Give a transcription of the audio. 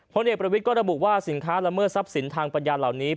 พลเอกประวิทย์ก็ระบุว่าสินค้าละเมิดทรัพย์สินทางปัญญาเหล่านี้